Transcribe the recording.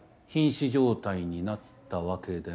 瀕死状態になったわけでも。